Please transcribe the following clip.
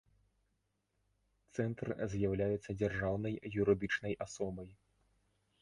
Цэнтр з'яўляецца дзяржаўнай юрыдычнай асобай.